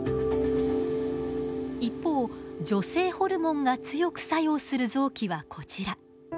一方女性ホルモンが強く作用する臓器はこちら。